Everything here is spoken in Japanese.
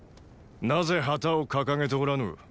なぜ旗を掲げておらぬ？